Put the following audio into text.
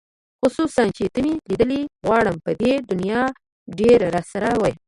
خصوصاً چې ته مې لیدلې غواړم په دې دنیا ډېره راسره وې